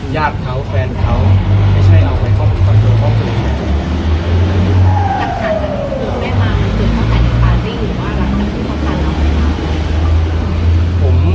ญาติเขาแฟนเขาไม่ใช่เอาไปข้อมูลข้อมูลของเขา